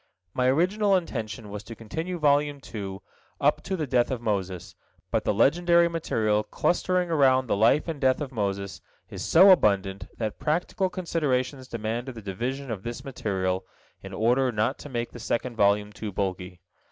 My original intention was to continue Volume II up to the death of Moses, but the legendary material clustering around the life and death of Moses is so abundant that practical considerations demanded the division of this material, in order not to make the second volume too bulky.